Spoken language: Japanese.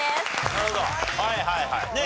なるほどはいはいはい。